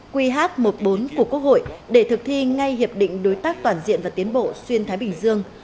qh một mươi bốn của quốc hội để thực thi ngay hiệp định đối tác toàn diện và tiến bộ xuyên thái bình dương